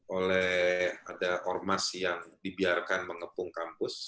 oleh ada ormas yang dibiarkan mengepung kampus